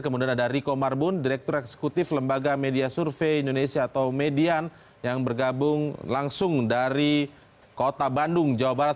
kemudian ada riko marbun direktur eksekutif lembaga media survei indonesia atau median yang bergabung langsung dari kota bandung jawa barat